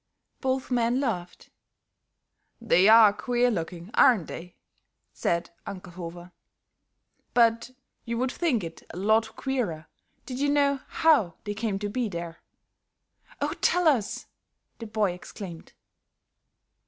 Both men laughed. "They are queer looking, aren't they?" said Uncle Hofer. "But you would think it a lot queerer did you know how they came to be here." "Oh, tell us," the boy exclaimed.